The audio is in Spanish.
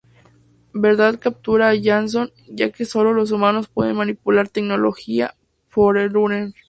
Verdad captura a Johnson, ya que sólo los humanos pueden manipular tecnología Forerunner.